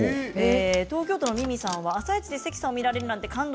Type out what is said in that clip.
東京都の方は「あさイチ」で関さんを見られるなんて感動！